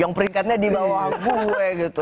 yang peringkatnya di bawah gue gitu